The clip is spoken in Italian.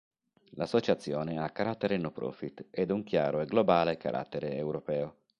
L'Associazione ha carattere no-profit ed un chiaro e globale carattere europeo.